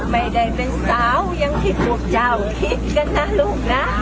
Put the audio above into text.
ไม่ได้เป็นสาวอย่างที่พวกเจ้าคิดกันนะลูกนะ